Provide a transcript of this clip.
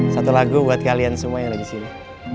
satu lagu buat kalian semua yang ada disini